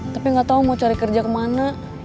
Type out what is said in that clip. tapi gak tau mau cari kerja kemana